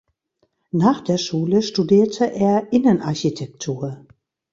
Nach der Schule studierte er Innenarchitektur.